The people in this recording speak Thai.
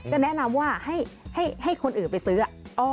ก็แนะนำว่าให้คนอื่นไปซื้อ